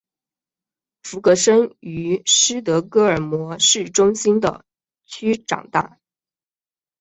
弗格森于斯德哥尔摩市中心的区长大。